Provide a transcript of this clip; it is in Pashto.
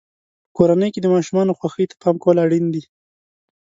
په کورنۍ کې د ماشومانو خوښۍ ته پام کول اړین دي.